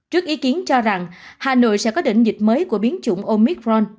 trước ý kiến cho rằng hà nội sẽ có đỉnh dịch mới của biến chủng omicron